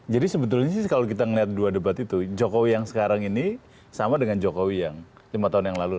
jadi sebetulnya kalau kita melihat dua debat itu jokowi yang sekarang ini sama dengan jokowi yang lima tahun yang lalu